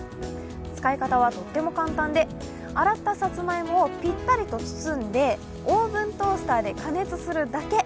使い方はとっても簡単で、洗ったさつまいもをぴったりと包んでオーブントースターで加熱するだけ。